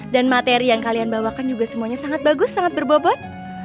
dan materi yang kalian bawakan juga semuanya sangat bagus sangat berbobot